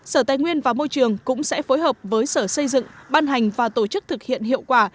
sở tài nguyên và môi trường cũng sẽ phối hợp với sở xây dựng ban hành và tổ chức thực hiện hiệu quả